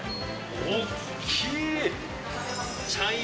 おっきい。